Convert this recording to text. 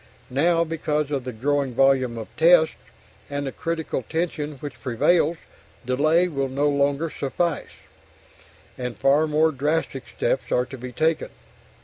Now, because of the growing volume of tests, and the critical tension which prevails, delay will no longer suffice, and far more drastic steps are to be taken.